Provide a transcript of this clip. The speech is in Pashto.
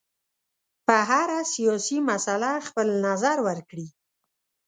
په هره سیاسي مسله خپل نظر ورکړي.